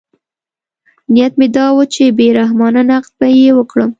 نیت مې دا و چې بې رحمانه نقد به یې وکړم.